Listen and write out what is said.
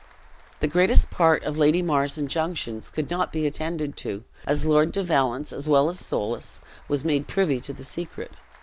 The greatest part of Lady Mar's injunctions could not be attended to, as Lord de Valence, as well as Soulis, was made privy to the secret.